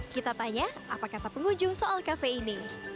kita tanya apa kata pengunjung soal kafe ini